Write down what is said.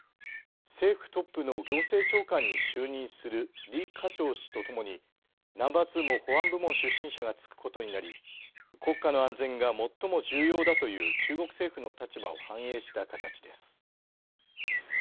政府トップの行政長官に就任する李家超氏とともにナンバー２も保安部門出身者が就くことになり国家の安全が最も重要だという中国政府の立場を反映した形です。